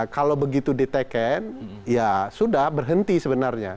kalau begitu diteken ya sudah berhenti sebenarnya